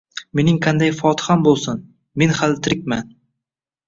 –Mening qanday fotiham bo’lsin: men hali tirikman.